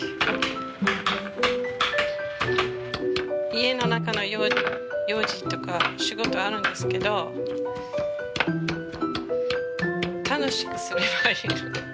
家の中の用事とか仕事あるんですけど楽しくすればいい。